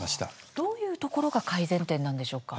どういうところが改善点なんでしょう。